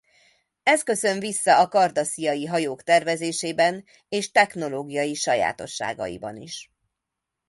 Ez köszön vissza a kardassziai hajók tervezésében és technológiai sajátosságaiban is.